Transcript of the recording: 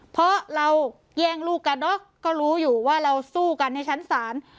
เพราะเราแย่งลูกกันเนอะก็รู้อยู่ว่าเราสู้กันในชั้นศาล